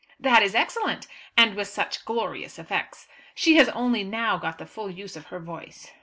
"That is excellent, and with such glorious effects! She has only now got the full use of her voice.